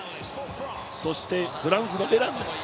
そしてフランスのベラン。